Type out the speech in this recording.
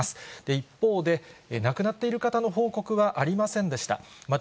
一方で、亡くなっている方の報告はありませんでした。